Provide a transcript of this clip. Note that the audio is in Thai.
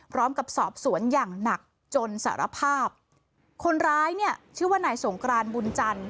พร้อมกับสอบสวนอย่างหนักจนสารภาพคนร้ายเนี่ยชื่อว่านายสงกรานบุญจันทร์